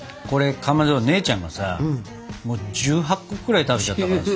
かまど姉ちゃんがさ１８個くらい食べちゃったからさ。